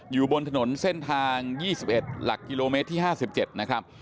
อยู่บนถนนเส้นทาง๒๑หลักกิโลเมตรที่๕๗นะครับ